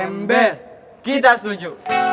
ember kita setuju